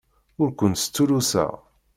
Ur kent-stulluseɣ.